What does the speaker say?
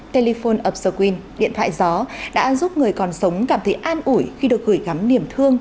telephone of the queen điện thoại gió đã giúp người còn sống cảm thấy an ủi khi được gửi gắm niềm thương